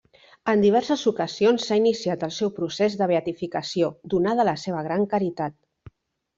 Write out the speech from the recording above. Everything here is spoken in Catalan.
En diverses ocasions s'ha iniciat el seu procés de beatificació, donada la seva gran caritat.